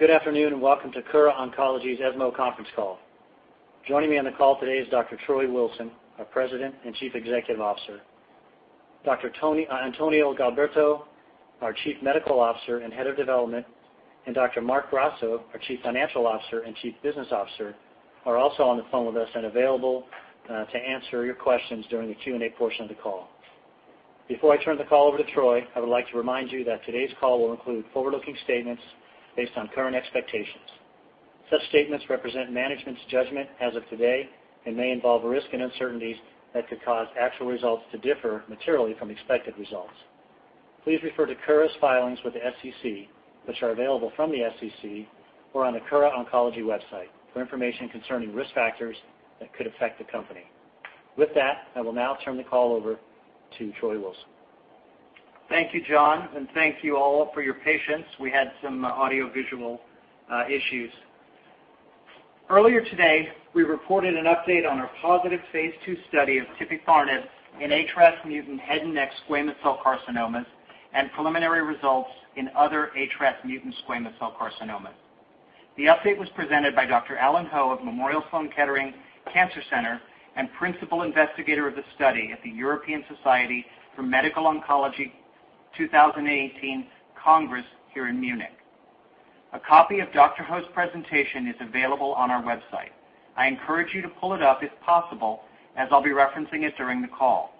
Good afternoon, welcome to Kura Oncology's ESMO conference call. Joining me on the call today is Dr. Troy Wilson, our President and Chief Executive Officer. Dr. Antonio Gualberto, our Chief Medical Officer and Head of Development, and Dr. Marc Grasso, our Chief Financial Officer and Chief Business Officer, are also on the phone with us and available to answer your questions during the Q&A portion of the call. Before I turn the call over to Troy, I would like to remind you that today's call will include forward-looking statements based on current expectations. Such statements represent management's judgment as of today and may involve risk and uncertainties that could cause actual results to differ materially from expected results. Please refer to Kura's filings with the SEC, which are available from the SEC or on the Kura Oncology website for information concerning risk factors that could affect the company. I will now turn the call over to Troy Wilson. Thank you, John, thank you all for your patience. We had some audiovisual issues. Earlier today, we reported an update on our positive phase II study of tipifarnib in HRAS-mutant head and neck squamous cell carcinomas and preliminary results in other HRAS mutant squamous cell carcinomas. The update was presented by Dr. Alan Ho of Memorial Sloan Kettering Cancer Center and Principal Investigator of the study at the European Society for Medical Oncology 2018 Congress here in Munich. A copy of Dr. Ho's presentation is available on our website. I encourage you to pull it up as possible, as I'll be referencing it during the call.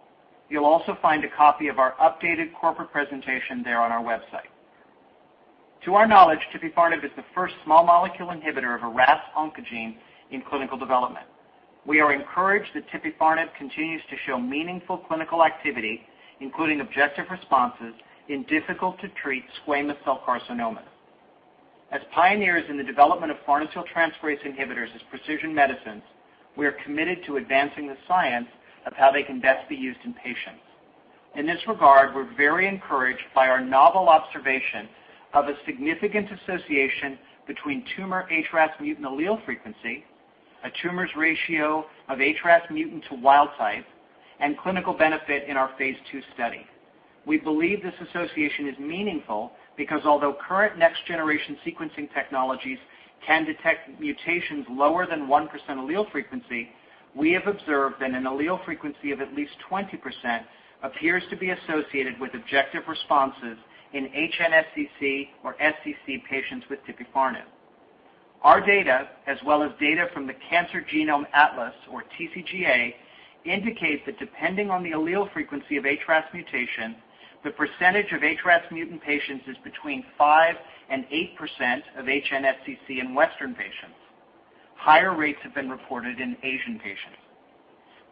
You'll also find a copy of our updated corporate presentation there on our website. To our knowledge, tipifarnib is the first small molecule inhibitor of a RAS oncogene in clinical development. We are encouraged that tipifarnib continues to show meaningful clinical activity, including objective responses in difficult-to-treat squamous cell carcinomas. As pioneers in the development of farnesyltransferase inhibitors as precision medicines, we are committed to advancing the science of how they can best be used in patients. In this regard, we're very encouraged by our novel observation of a significant association between tumor HRAS mutant allele frequency, a tumor's ratio of HRAS mutant to wild type, and clinical benefit in our phase II study. We believe this association is meaningful because although current next-generation sequencing technologies can detect mutations lower than 1% allele frequency, we have observed that an allele frequency of at least 20% appears to be associated with objective responses in HNSCC or SCC patients with tipifarnib. Our data, as well as data from The Cancer Genome Atlas or TCGA, indicate that depending on the allele frequency of HRAS mutation, the percentage of HRAS mutant patients is between 5% and 8% of HNSCC in Western patients. Higher rates have been reported in Asian patients.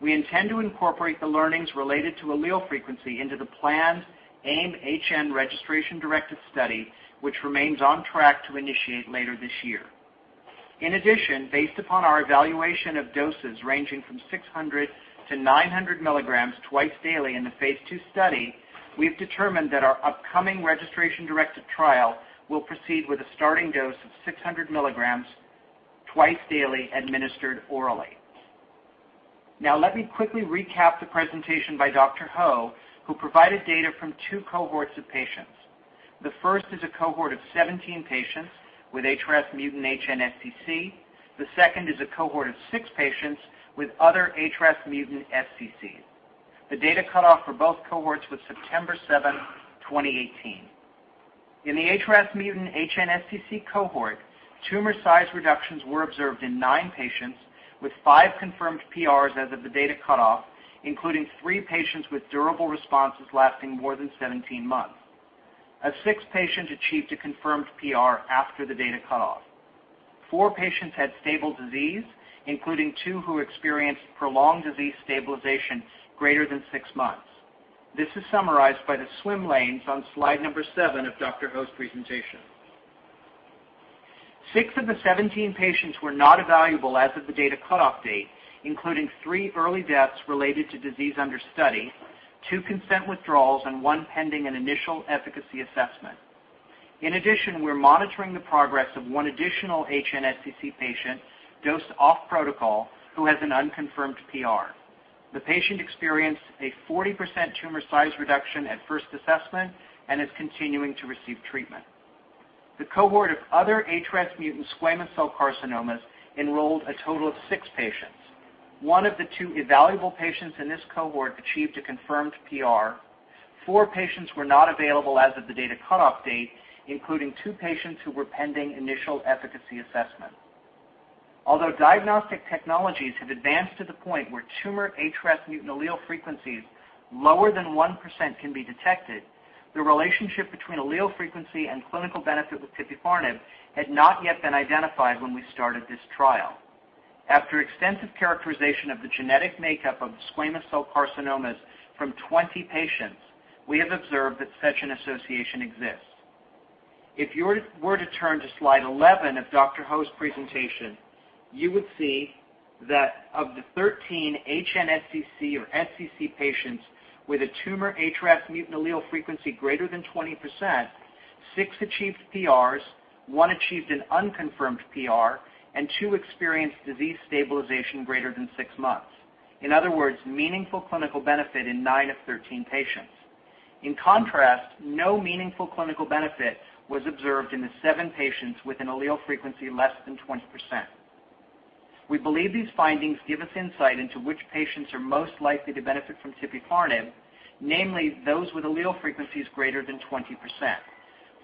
We intend to incorporate the learnings related to allele frequency into the planned AIM-HN registration directed study, which remains on track to initiate later this year. In addition, based upon our evaluation of doses ranging from 600 to 900 milligrams twice daily in the phase II study, we've determined that our upcoming registration directed trial will proceed with a starting dose of 600 milligrams twice daily, administered orally. Let me quickly recap the presentation by Dr. Ho, who provided data from two cohorts of patients. The first is a cohort of 17 patients with HRAS mutant HNSCC. The second is a cohort of six patients with other HRAS mutant SCCs. The data cutoff for both cohorts was September 7th, 2018. In the HRAS mutant HNSCC cohort, tumor size reductions were observed in nine patients, with five confirmed PRs as of the data cutoff, including three patients with durable responses lasting more than 17 months. A sixth patient achieved a confirmed PR after the data cutoff. Four patients had stable disease, including two who experienced prolonged disease stabilization greater than six months. This is summarized by the swim lanes on slide number seven of Dr. Ho's presentation. Six of the 17 patients were not evaluable as of the data cutoff date, including three early deaths related to disease under study, two consent withdrawals, and one pending an initial efficacy assessment. In addition, we're monitoring the progress of one additional HNSCC patient dosed off protocol who has an unconfirmed PR. The patient experienced a 40% tumor size reduction at first assessment and is continuing to receive treatment. The cohort of other HRAS mutant squamous cell carcinomas enrolled a total of six patients. One of the two evaluable patients in this cohort achieved a confirmed PR. Four patients were not available as of the data cutoff date, including two patients who were pending initial efficacy assessment. Although diagnostic technologies have advanced to the point where tumor HRAS mutant allele frequencies lower than 1% can be detected, the relationship between allele frequency and clinical benefit with tipifarnib had not yet been identified when we started this trial. After extensive characterization of the genetic makeup of squamous cell carcinomas from 20 patients, we have observed that such an association exists. If you were to turn to slide 11 of Dr. Ho's presentation, you would see that of the 13 HNSCC or SCC patients with a tumor HRAS mutant allele frequency greater than 20%, six achieved PRs, one achieved an unconfirmed PR, and two experienced disease stabilization greater than six months. In other words, meaningful clinical benefit in nine of 13 patients. In contrast, no meaningful clinical benefit was observed in the seven patients with an allele frequency less than 20%. We believe these findings give us insight into which patients are most likely to benefit from tipifarnib, namely those with allele frequencies greater than 20%.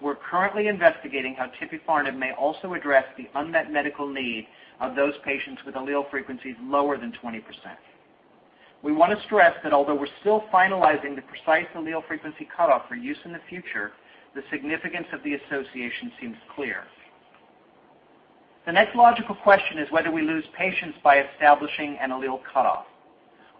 We're currently investigating how tipifarnib may also address the unmet medical need of those patients with allele frequencies lower than 20%. We want to stress that although we're still finalizing the precise allele frequency cutoff for use in the future, the significance of the association seems clear. The next logical question is whether we lose patients by establishing an allele cutoff.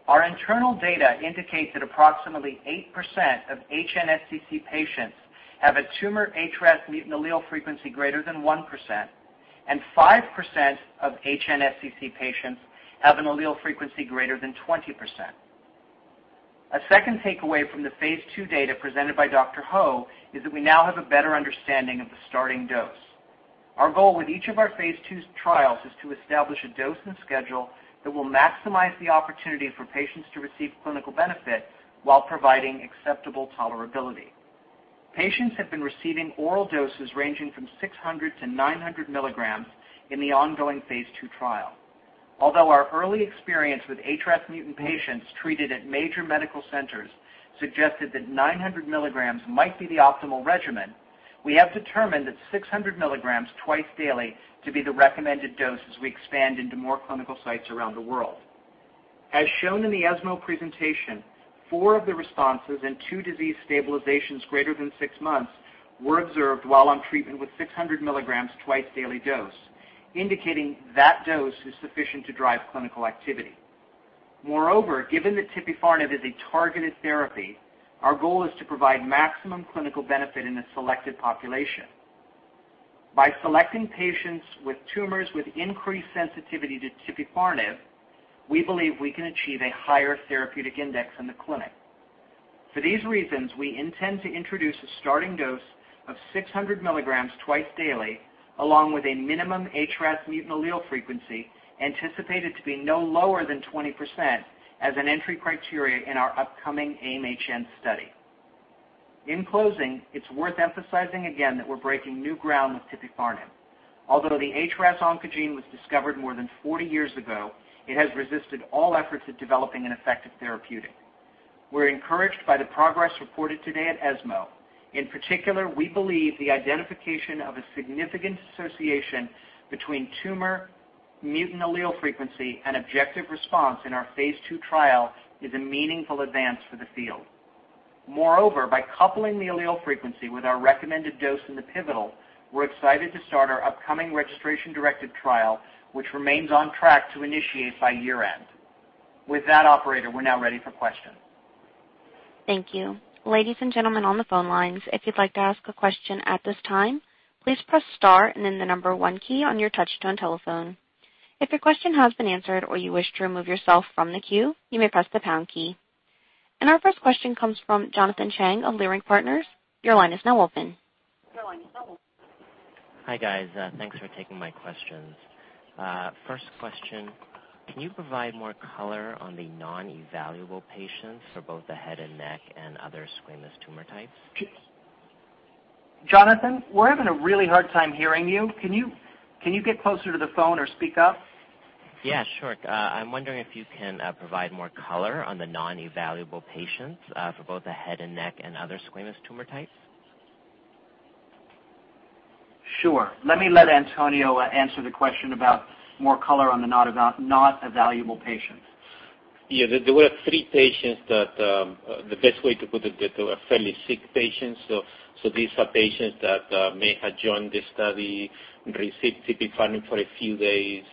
Our internal data indicates that approximately 8% of HNSCC patients have a tumor HRAS mutant allele frequency greater than 1%, and 5% of HNSCC patients have an allele frequency greater than 20%. A second takeaway from the phase II data presented by Dr. Ho is that we now have a better understanding of the starting dose. Our goal with each of our phase II trials is to establish a dose and schedule that will maximize the opportunity for patients to receive clinical benefit while providing acceptable tolerability. Patients have been receiving oral doses ranging from 600-900 milligrams in the ongoing phase II trial. Although our early experience with HRAS mutant patients treated at major medical centers suggested that 900 milligrams might be the optimal regimen, we have determined that 600 milligrams twice daily to be the recommended dose as we expand into more clinical sites around the world. As shown in the ESMO presentation, four of the responses and two disease stabilizations greater than six months were observed while on treatment with 600 milligrams twice daily dose, indicating that dose is sufficient to drive clinical activity. Moreover, given that tipifarnib is a targeted therapy, our goal is to provide maximum clinical benefit in a selected population. By selecting patients with tumors with increased sensitivity to tipifarnib, we believe we can achieve a higher therapeutic index in the clinic. For these reasons, we intend to introduce a starting dose of 600 milligrams twice daily, along with a minimum HRAS mutant allele frequency anticipated to be no lower than 20% as an entry criteria in our upcoming AIM-HN study. In closing, it's worth emphasizing again that we're breaking new ground with tipifarnib. Although the HRAS oncogene was discovered more than 40 years ago, it has resisted all efforts at developing an effective therapeutic. We're encouraged by the progress reported today at ESMO. In particular, we believe the identification of a significant association between tumor mutant allele frequency and objective response in our phase II trial is a meaningful advance for the field. Moreover, by coupling the allele frequency with our recommended dose in the pivotal, we're excited to start our upcoming registration directive trial, which remains on track to initiate by year-end. With that, operator, we're now ready for questions. Thank you. Ladies and gentlemen on the phone lines, if you'd like to ask a question at this time, please press star and then the number 1 key on your touch-tone telephone. If your question has been answered or you wish to remove yourself from the queue, you may press the pound key. Our first question comes from Jonathan Chang of Leerink Partners. Your line is now open. Hi, guys. Thanks for taking my questions. First question, can you provide more color on the non-evaluable patients for both the head and neck and other squamous tumor types? Jonathan, we're having a really hard time hearing you. Can you get closer to the phone or speak up? Yeah, sure. I'm wondering if you can provide more color on the non-evaluable patients for both the head and neck and other squamous tumor types. Sure. Let me let Antonio answer the question about more color on the not evaluable patients. Yeah. There were three patients that, the best way to put it, they were fairly sick patients. These are patients that may have joined the study, received tipifarnib for a few days,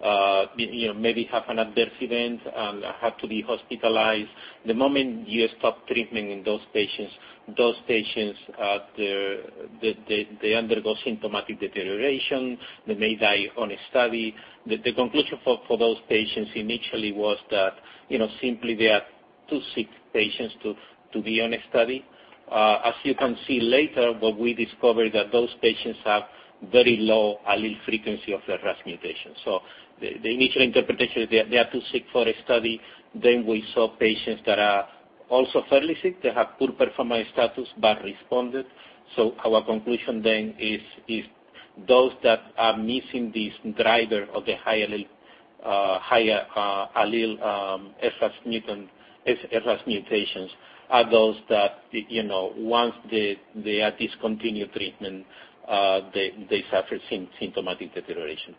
maybe had an adverse event and had to be hospitalized. The moment you stop treatment in those patients, those patients, they undergo symptomatic deterioration. They may die on a study. The conclusion for those patients initially was that simply they are too sick patients to be on a study. As you can see later, what we discovered that those patients have very low allele frequency of the HRAS mutation. The initial interpretation, they are too sick for a study. Then we saw patients that are also fairly sick. They have poor performance status but responded. Our conclusion then is those that are missing this driver of the higher allele HRAS mutations are those that once they discontinue treatment, they suffer symptomatic deterioration.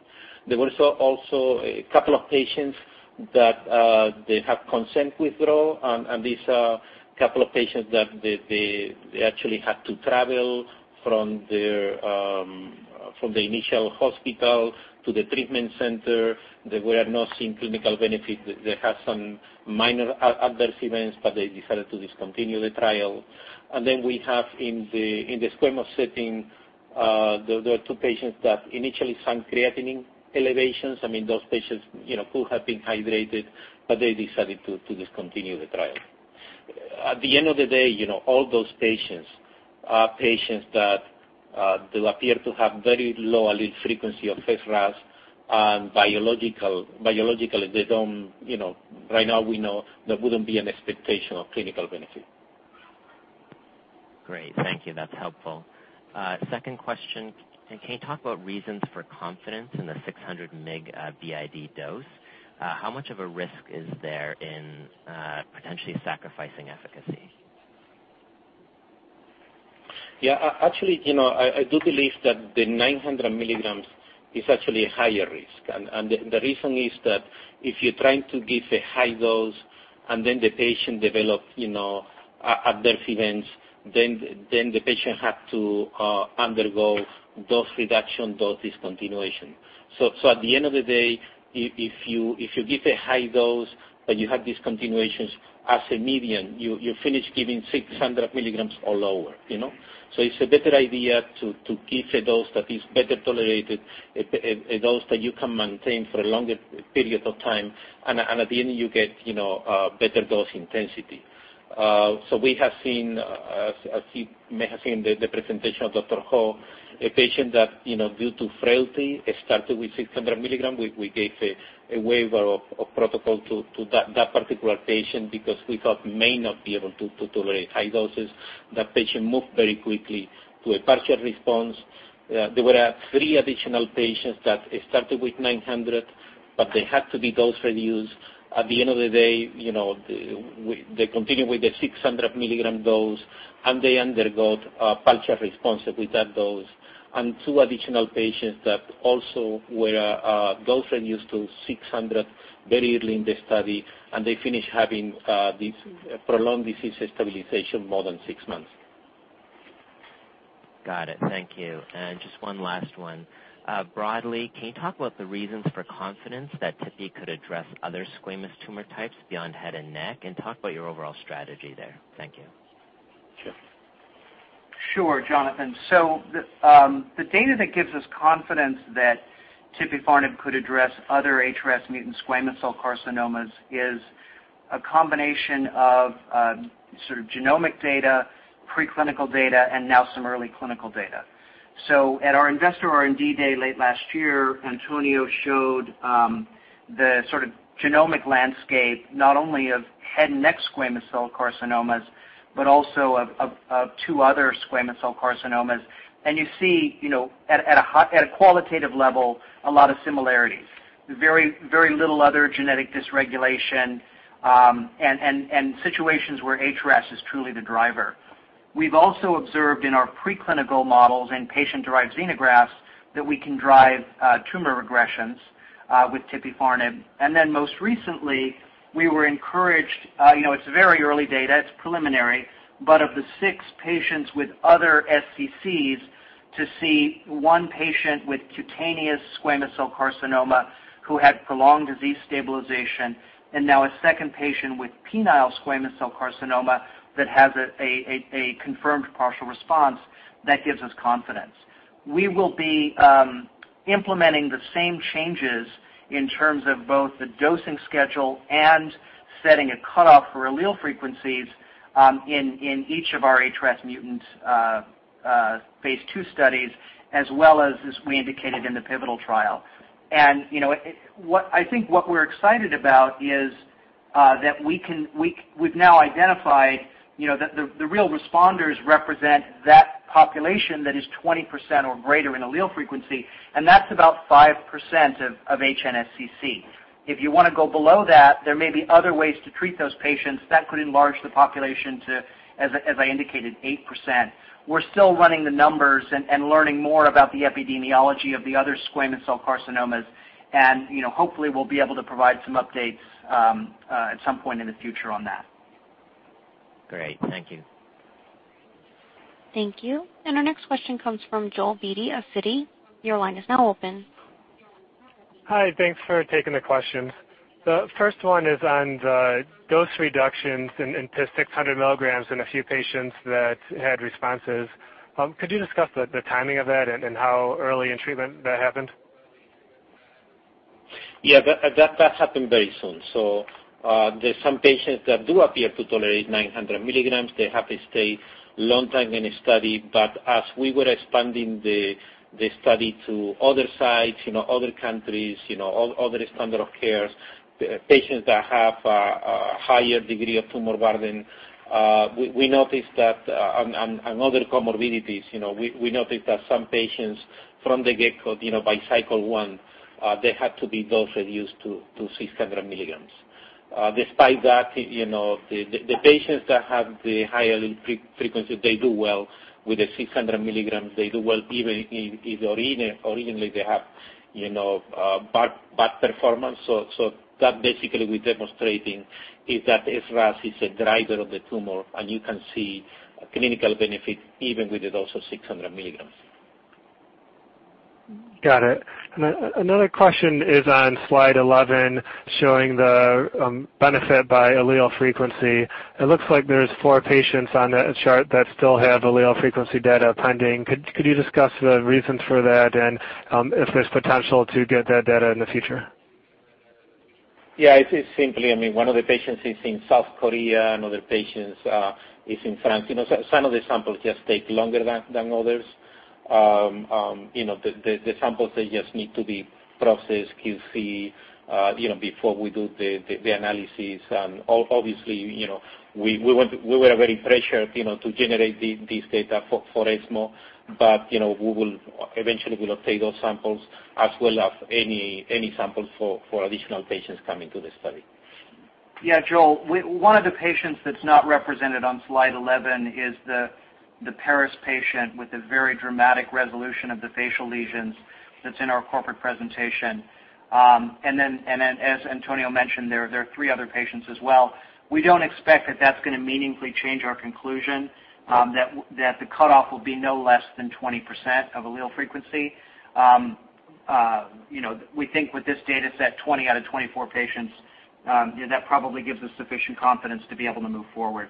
There were also a couple of patients that they have consent withdraw, these are a couple of patients that they actually had to travel from the initial hospital to the treatment center. They were not seeing clinical benefit. They had some minor adverse events, but they decided to discontinue the trial. We have in the squamous setting there are two patients that initially some creatinine elevations. I mean, those patients who have been hydrated, but they decided to discontinue the trial. At the end of the day, all those patients Our patients that do appear to have very low allele frequency of HRAS and biologically, right now we know there wouldn't be an expectation of clinical benefit. Great. Thank you. That's helpful. Second question, can you talk about reasons for confidence in the 600 mg BID dose? How much of a risk is there in potentially sacrificing efficacy? Yeah. Actually, I do believe that the 900 milligrams is actually a higher risk. The reason is that if you're trying to give a high dose and then the patient develop adverse events, then the patient has to undergo dose reduction, dose discontinuation. At the end of the day, if you give a high dose but you have discontinuations as a median, you finish giving 600 milligrams or lower. It's a better idea to give a dose that is better tolerated, a dose that you can maintain for a longer period of time. At the end, you get better dose intensity. We have seen, as you may have seen the presentation of Dr. Ho, a patient that, due to frailty, started with 600 milligrams. We gave a waiver of protocol to that particular patient because we thought may not be able to tolerate high doses. That patient moved very quickly to a partial response. There were three additional patients that started with 900, but they had to be dose reduced. At the end of the day, they continued with the 600-milligram dose, and they undergone a partial response with that dose. Two additional patients that also were dose reduced to 600 very early in the study, and they finished having this prolonged disease stabilization more than six months. Got it. Thank you. Just one last one. Broadly, can you talk about the reasons for confidence that tipifarnib could address other squamous tumor types beyond head and neck? Talk about your overall strategy there. Thank you. Sure. Sure, Jonathan. The data that gives us confidence that tipifarnib could address other HRAS-mutant squamous cell carcinomas is a combination of genomic data, pre-clinical data, and now some early clinical data. At our investor R&D day late last year, Antonio showed the genomic landscape not only of head and neck squamous cell carcinomas, but also of two other squamous cell carcinomas. You see at a qualitative level, a lot of similarities. Very little other genetic dysregulation, and situations where HRAS is truly the driver. We've also observed in our pre-clinical models and patient-derived xenografts that we can drive tumor regressions with tipifarnib. Most recently, we were encouraged. It's very early data. It's preliminary. Of the six patients with other SCCs, to see one patient with cutaneous squamous cell carcinoma who had prolonged disease stabilization and now a second patient with penile squamous cell carcinoma that has a confirmed partial response, that gives us confidence. We will be implementing the same changes in terms of both the dosing schedule and setting a cutoff for allele frequencies in each of our HRAS mutant Phase II studies, as well as as we indicated in the pivotal trial. I think what we're excited about is that we've now identified that the real responders represent that population that is 20% or greater in allele frequency, and that's about 5% of HNSCC. If you want to go below that, there may be other ways to treat those patients that could enlarge the population to, as I indicated, 8%. We're still running the numbers and learning more about the epidemiology of the other squamous cell carcinomas. Hopefully, we'll be able to provide some updates at some point in the future on that. Great. Thank you. Thank you. Our next question comes from Joel Beatty of Citi. Your line is now open. Hi. Thanks for taking the questions. The first one is on the dose reductions into 600 milligrams in a few patients that had responses. Could you discuss the timing of that and how early in treatment that happened? Yeah, that happened very soon. There's some patients that do appear to tolerate 900 milligrams. They have to stay long time in a study. As we were expanding the study to other sites, other countries, other standard of cares, patients that have a higher degree of tumor burden, and other comorbidities, we noticed that some patients from the get-go, by cycle one, they had to be dose reduced to 600 milligrams. Despite that, the patients that have the higher allele frequency, they do well with the 600 milligrams. They do well even if originally they have bad performance. That basically we're demonstrating is that HRAS is a driver of the tumor, and you can see a clinical benefit even with the dose of 600 milligrams. Got it. Another question is on slide 11, showing the benefit by allele frequency. It looks like there's four patients on that chart that still have allele frequency data pending. Could you discuss the reasons for that and if there's potential to get that data in the future? Yeah, it is simply, one of the patients is in South Korea, another patient is in France. Some of the samples just take longer than others. The samples, they just need to be processed, QC'd before we do the analysis. Obviously, we were very pressured to generate this data for ESMO, eventually we'll obtain those samples as well as any samples for additional patients coming to the study. Yeah, Joel, one of the patients that's not represented on slide 11 is the Paris patient with a very dramatic resolution of the facial lesions that's in our corporate presentation. As Antonio mentioned, there are three other patients as well. We don't expect that that's going to meaningfully change our conclusion that the cutoff will be no less than 20% of allele frequency. We think with this data set, 20 out of 24 patients, that probably gives us sufficient confidence to be able to move forward.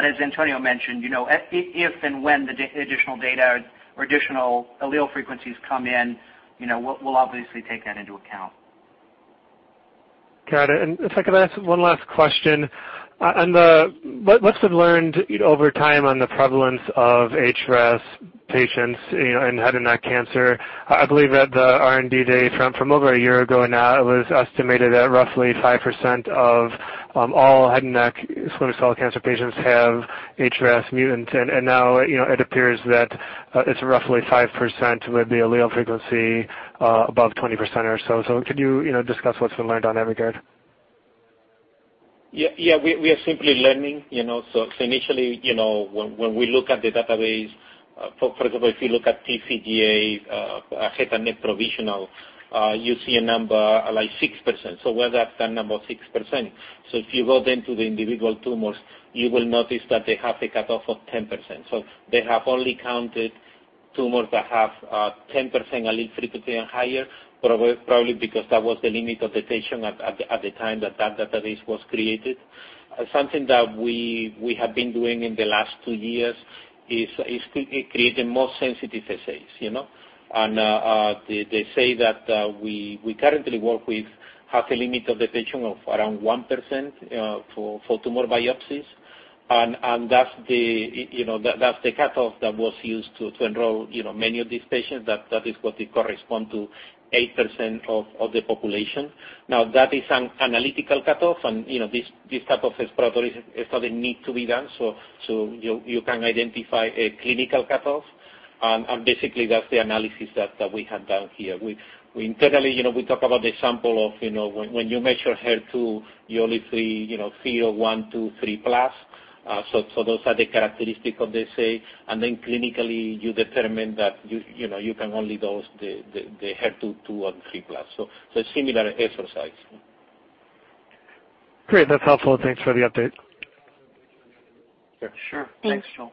As Antonio mentioned, if and when the additional data or additional allele frequencies come in, we'll obviously take that into account. Got it. If I could ask one last question. On what's been learned over time on the prevalence of HRAS patients in head and neck cancer, I believe at the R&D day from over a year ago now, it was estimated at roughly 5% of all head and neck squamous cell cancer patients have HRAS mutant. Now it appears that it's roughly 5% with the allele frequency above 20% or so. Could you discuss what's been learned on that regard? Yeah. We are simply learning. Initially, when we look at the database, for example, if you look at TCGA head and neck provisional you see a number like 6%. Where does that number 6%? If you go then to the individual tumors, you will notice that they have a cutoff of 10%. They have only counted tumors that have 10% allele frequency and higher, probably because that was the limit of detection at the time that that database was created. Something that we have been doing in the last two years is creating more sensitive assays. They say that we currently work with half a limit of detection of around 1% for tumor biopsies. That's the cutoff that was used to enroll many of these patients. That is what it corresponds to 8% of the population. That is an analytical cutoff, and this type of exploration study needs to be done so you can identify a clinical cutoff, and basically that's the analysis that we have done here. Internally, we talk about the example of when you measure HER2, you only see 0, 1, 2, 3 plus. Those are the characteristics of the assay. Then clinically, you determine that you can only dose the HER2 2 and 3 plus. Similar exercise. Great. That's helpful. Thanks for the update. Sure. Thanks, Joel.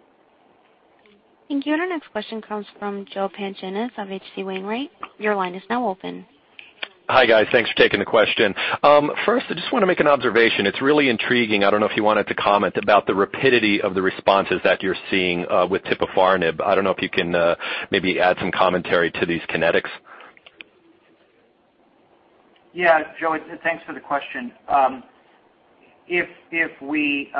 Thank you. Our next question comes from Joe Pantginis of H.C. Wainwright. Your line is now open. Hi, guys. Thanks for taking the question. First, I just want to make an observation. It's really intriguing, I don't know if you wanted to comment about the rapidity of the responses that you're seeing with tipifarnib. I don't know if you can maybe add some commentary to these kinetics. Yeah. Joe, thanks for the question. If we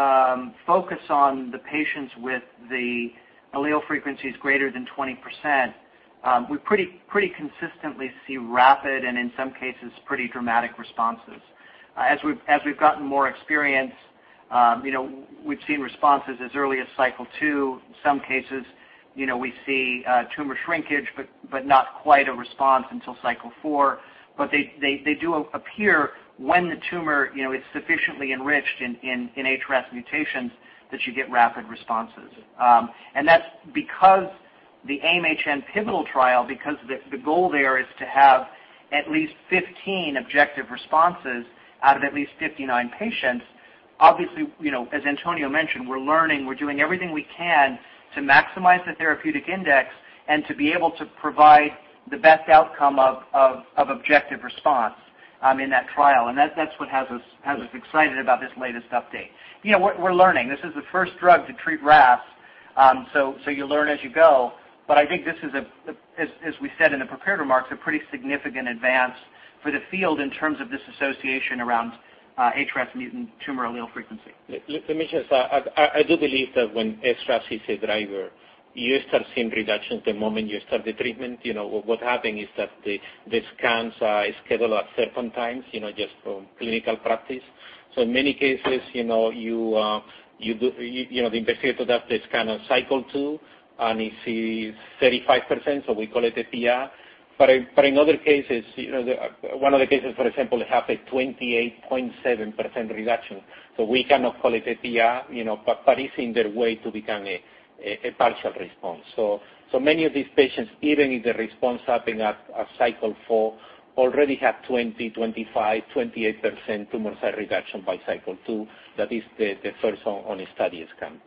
focus on the patients with the allele frequencies greater than 20%, we pretty consistently see rapid and in some cases pretty dramatic responses. As we've gotten more experience, we've seen responses as early as cycle 2. In some cases, we see tumor shrinkage, but not quite a response until cycle 4. They do appear when the tumor is sufficiently enriched in HRAS mutations that you get rapid responses. That's because the AIM-HN pivotal trial, because the goal there is to have at least 15 objective responses out of at least 59 patients. Obviously, as Antonio mentioned, we're learning, we're doing everything we can to maximize the therapeutic index and to be able to provide the best outcome of objective response in that trial. That's what has us excited about this latest update. We're learning. This is the first drug to treat RAS. You learn as you go. I think this is, as we said in the prepared remarks, a pretty significant advance for the field in terms of this association around HRAS mutant tumor allele frequency. Let me just add, I do believe that when HRAS is a driver, you start seeing reductions the moment you start the treatment. What happens is that the scans are scheduled at certain times, just for clinical practice. In many cases, the investigator does the scan on cycle 2, and he sees 35%, we call it a PR. In other cases, one of the cases, for example, have a 28.7% reduction. We cannot call it a PR, but it's in the way to become a partial response. Many of these patients, even if the response happened at cycle 4, already have 20%, 25%, 28% tumor size reduction by cycle 2. That is the first on a study scan.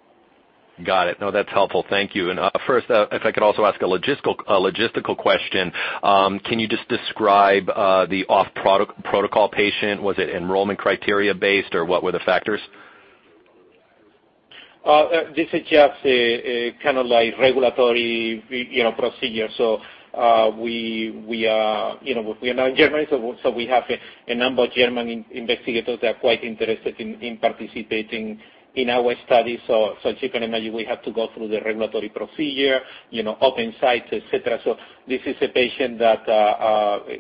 Got it. No, that's helpful. Thank you. First, if I could also ask a logistical question. Can you just describe the off-protocol patient? Was it enrollment criteria based, or what were the factors? This is just kind of like regulatory procedure. We are now in Germany, so we have a number of German investigators that are quite interested in participating in our study. As you can imagine, we have to go through the regulatory procedure, open sites, et cetera. This is a patient that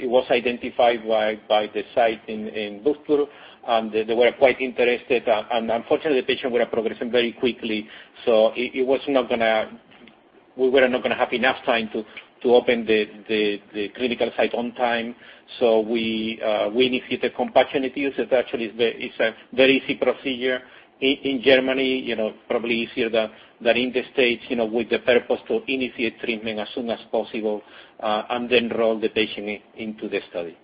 was identified by the site in Bustour, and they were quite interested. Unfortunately, the patient were progressing very quickly, so we were not going to have enough time to open the clinical site on time. We initiated compassionate use, it actually is a very easy procedure in Germany, probably easier than in the States, with the purpose to initiate treatment as soon as possible, and then enroll the patient into the study.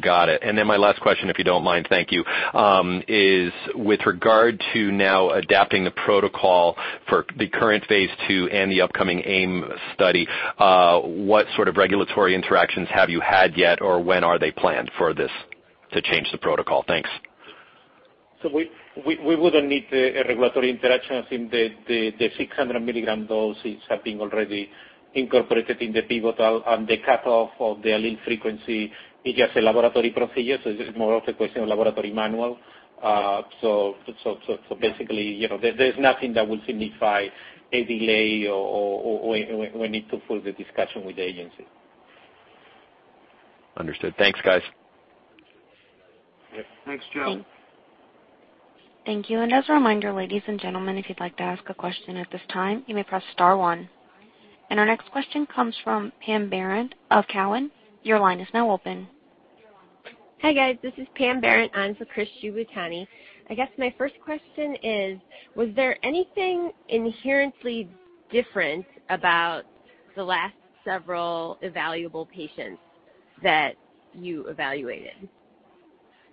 Got it. My last question, if you don't mind, thank you, is with regard to now adapting the protocol for the current phase II and the upcoming AIM study. What sort of regulatory interactions have you had yet, or when are they planned for this to change the protocol? Thanks. We wouldn't need the regulatory interactions in the 600 mg doses have been already incorporated in the pivotal, the cutoff of the allele frequency is just a laboratory procedure. It's just more of a question of laboratory manual. Basically, there's nothing that would signify a delay or we need to further discussion with the agency. Understood. Thanks, guys. Yep. Thanks, Joe. Thank you. As a reminder, ladies and gentlemen, if you'd like to ask a question at this time, you may press star one. Our next question comes from Pamela Baron of Cowen. Your line is now open. Hi, guys. This is Pamela Baron. I'm for Chris Shibutani. I guess my first question is, was there anything inherently different about the last several evaluable patients that you evaluated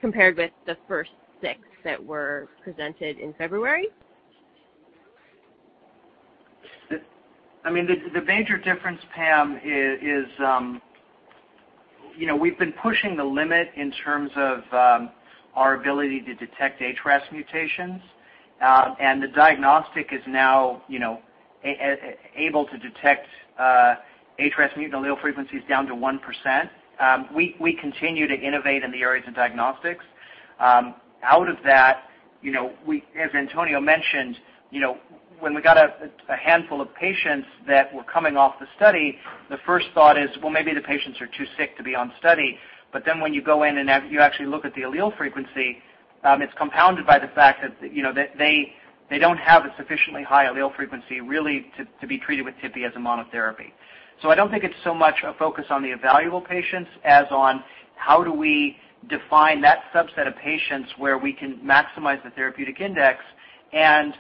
compared with the first 6 that were presented in February? The major difference, Pam, is we've been pushing the limit in terms of our ability to detect HRAS mutations. The diagnostic is now able to detect HRAS mutant allele frequencies down to 1%. We continue to innovate in the areas of diagnostics. Out of that, as Antonio Gualberto mentioned, when we got a handful of patients that were coming off the study, the first thought is, well, maybe the patients are too sick to be on study. When you go in and you actually look at the allele frequency, it's compounded by the fact that they don't have a sufficiently high allele frequency really to be treated with tipi as a monotherapy. I don't think it's so much a focus on the evaluable patients as on how do we define that subset of patients where we can maximize the therapeutic index and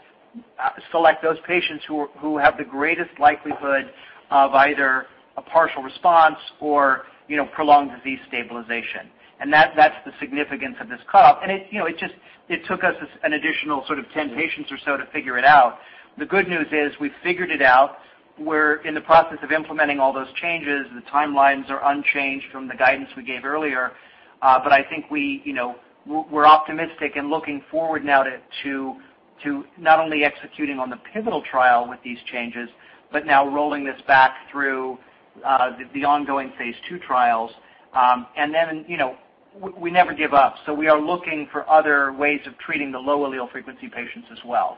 select those patients who have the greatest likelihood of either a partial response or prolonged disease stabilization. That's the significance of this cutoff. It took us an additional sort of 10 patients or so to figure it out. The good news is we've figured it out. We're in the process of implementing all those changes. The timelines are unchanged from the guidance we gave earlier. I think we're optimistic and looking forward now to not only executing on the pivotal trial with these changes, but now rolling this back through the ongoing phase II trials. We never give up, so we are looking for other ways of treating the low allele frequency patients as well.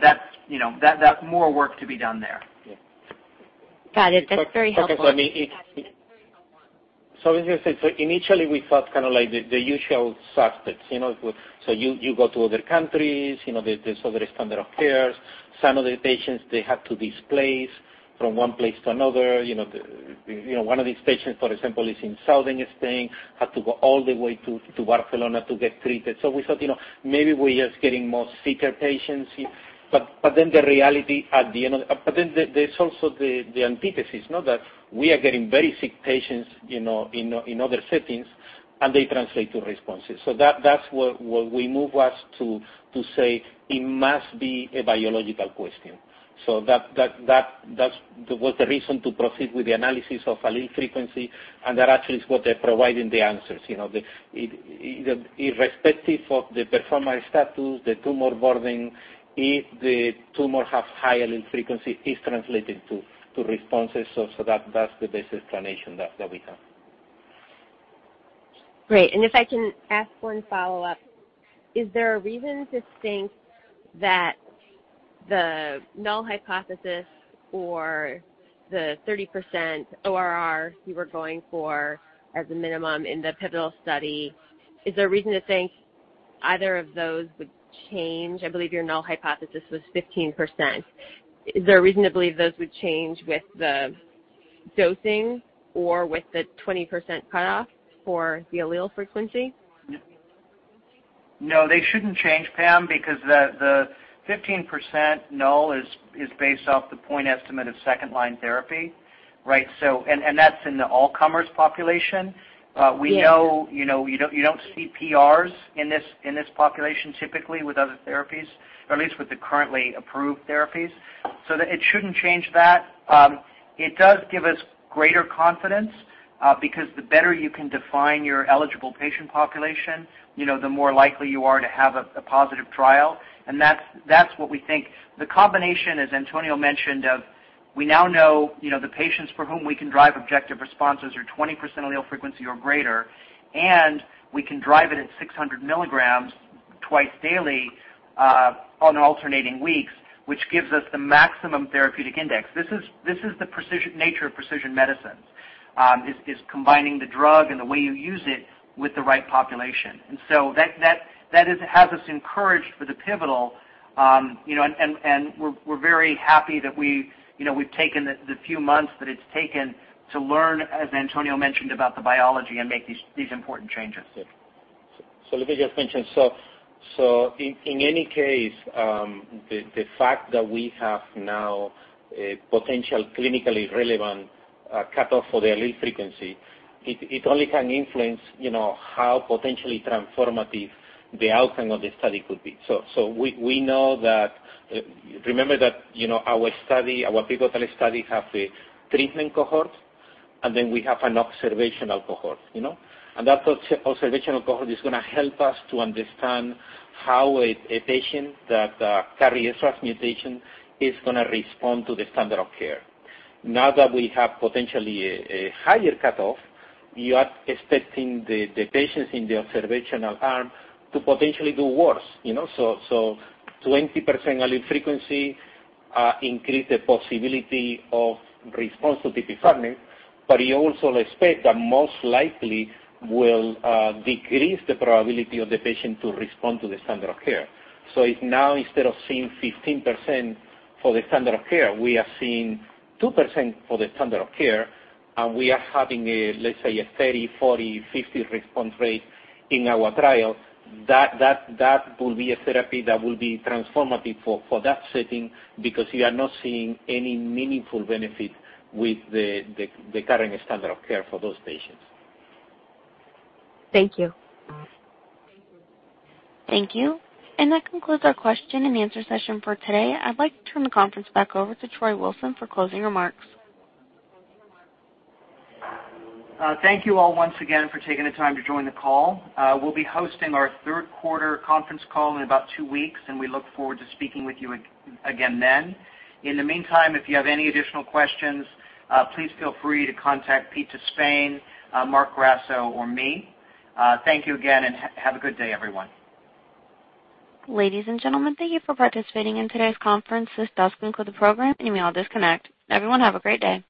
That's more work to be done there. Got it. That's very helpful. Initially we thought kind of like the usual suspects. You go to other countries, there's other standard of cares. Some of the patients, they had to displace from one place to another. One of these patients, for example, is in southern Spain, had to go all the way to Barcelona to get treated. We thought maybe we're just getting more sicker patients. There's also the antithesis, that we are getting very sick patients in other settings, and they translate to responses. That's what we move us to say it must be a biological question. That was the reason to proceed with the analysis of allele frequency, and that actually is what they're providing the answers. Irrespective of the performance status, the tumor burden, if the tumor have high allele frequency, it's translated to responses. That's the best explanation that we have. Great. If I can ask one follow-up. Is there a reason to think that the null hypothesis or the 30% ORR you were going for as a minimum in the pivotal study, is there a reason to think either of those would change? I believe your null hypothesis was 15%. Is there a reason to believe those would change with the dosing or with the 20% cutoff for the allele frequency? No, they shouldn't change, Pam, because the 15% null is based off the point estimate of second-line therapy, right? That's in the all-comers population. Yeah. You don't see PRs in this population typically with other therapies, or at least with the currently approved therapies. It shouldn't change that. It does give us greater confidence Because the better you can define your eligible patient population, the more likely you are to have a positive trial. That's what we think. The combination, as Antonio mentioned, of we now know the patients for whom we can drive objective responses are 20% allele frequency or greater, and we can drive it at 600 milligrams twice daily on alternating weeks, which gives us the maximum therapeutic index. This is the nature of precision medicines, is combining the drug and the way you use it with the right population. That has us encouraged for the pivotal, and we're very happy that we've taken the few months that it's taken to learn, as Antonio mentioned, about the biology and make these important changes. Yes. Let me just mention. In any case, the fact that we have now a potential clinically relevant cutoff for the allele frequency, it only can influence how potentially transformative the outcome of the study could be. We know that, remember that our pivotal study have a treatment cohort, and then we have an observational cohort. That observational cohort is going to help us to understand how a patient that carries a HRAS mutation is going to respond to the standard of care. Now that we have potentially a higher cutoff, you are expecting the patients in the observational arm to potentially do worse. 20% allele frequency increase the possibility of response to the treatment, but you also expect that most likely will decrease the probability of the patient to respond to the standard of care. If now, instead of seeing 15% for the standard of care, we are seeing 2% for the standard of care, and we are having, let's say, a 30, 40, 50 response rate in our trial, that will be a therapy that will be transformative for that setting because you are not seeing any meaningful benefit with the current standard of care for those patients. Thank you. Thank you. That concludes our question and answer session for today. I'd like to turn the conference back over to Troy Wilson for closing remarks. Thank you all once again for taking the time to join the call. We'll be hosting our third quarter conference call in about two weeks, we look forward to speaking with you again then. In the meantime, if you have any additional questions, please feel free to contact Pete DeSpain, Marc Grasso, or me. Thank you again, have a good day, everyone. Ladies and gentlemen, thank you for participating in today's conference. This does conclude the program. You may all disconnect. Everyone, have a great day.